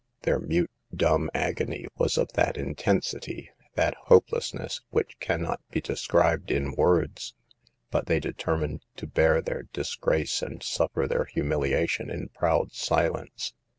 Their mute, dumb* agony was of that intensity, that hopelessness, which can not be described in words. But they determined" to bear their disgrace and suffer their humiliation in proud silence.